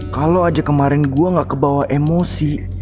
kalau aja kemarin gue gak kebawa emosi